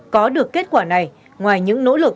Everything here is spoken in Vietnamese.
có được kết quả này ngoài những nỗ lực